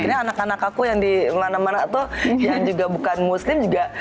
akhirnya anak anak aku yang dimana mana tuh yang juga bukan muslim juga